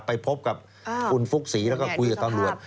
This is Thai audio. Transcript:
ไปพบกับคุณฟุกศรีแล้วก็คุยกับตำรวจ